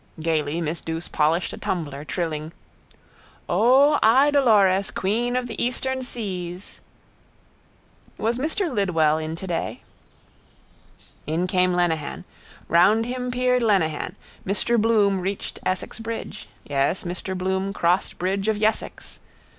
Gaily miss Douce polished a tumbler, trilling: —O, Idolores, queen of the eastern seas! —Was Mr Lidwell in today? In came Lenehan. Round him peered Lenehan. Mr Bloom reached Essex bridge. Yes, Mr Bloom crossed bridge of Yessex.